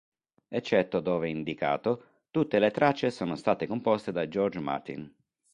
Eccetto dove indicato tutte le tracce sono state composte da George Martin.